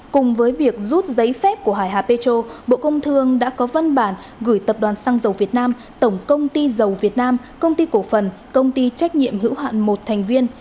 cùng với việc rút giấy phép của hải hà petro bộ công thương đã có văn bản gửi tập đoàn xăng dầu việt nam tổng công ty dầu việt nam công ty cổ phần công ty trách nhiệm hữu hạn một thành viên